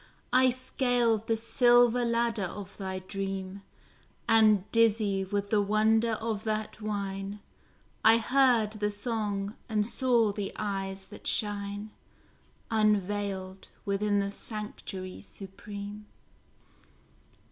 I scaled the silver ladder of thy dream, And dizzy with the wonder of that wine, I heard the song, and saw the eyes that shine Unveiled, within the sanctuary supreme.